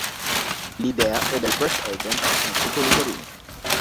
L'idea è del "press agent" Enrico Lucherini.